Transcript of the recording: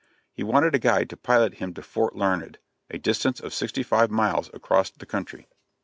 He wanted a guide to pilot him to Fort Larned, a distance of sixty five miles across the country.